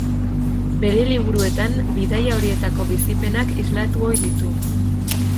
Bere liburuetan, bidaia horietako bizipenak islatu ohi ditu.